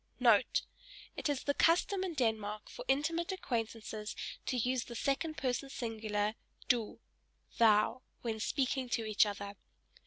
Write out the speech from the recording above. * It is the custom in Denmark for intimate acquaintances to use the second person singular, "Du," (thou) when speaking to each other.